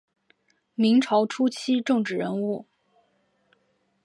明朝初期政治人物。